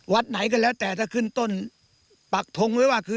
วัดไหนก็แล้วแต่ถ้าขึ้นต้น